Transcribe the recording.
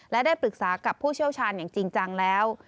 และได้ปรึกษากับผู้เชี่ยวชาญอย่างจริงจังแล้ว